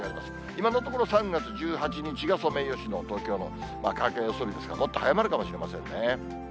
今のところ、３月１８日がソメイヨシノ、東京の開花予想日ですが、もっと早まるかもしれませんね。